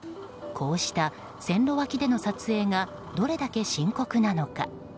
こうした線路脇での撮影がどれだけ深刻なのか。